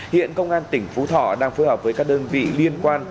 hiện công an tỉnh phú thọ đang phối hợp với các đơn vị liên quan